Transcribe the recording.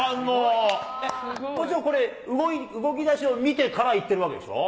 もちろんこれ、動きだしを見てからいってるわけでしょう。